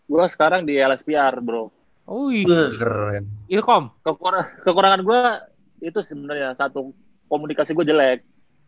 gua sekarang di lspr bro oh iya ilkom kekurangan gua itu sebenarnya satu komunikasi gue jelek